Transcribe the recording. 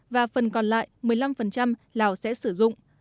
và phần còn lại một mươi năm lào sẽ sử dụng